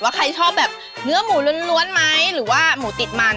ใครชอบแบบเนื้อหมูล้วนไหมหรือว่าหมูติดมัน